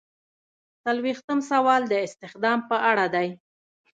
څلویښتم سوال د استخدام په اړه دی.